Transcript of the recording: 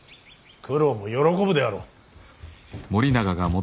九郎も喜ぶであろう。